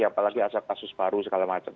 apalagi ada kasus baru segala macam